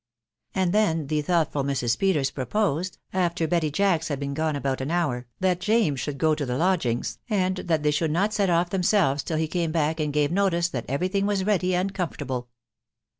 .... And then the thoughtful Mrs. Peters proposed, after Betty Jacks had been gone about an hour, that James should go to the lodgings, and that they should not set off themselves till he came back and gave notice that every thing was ready and comfortable.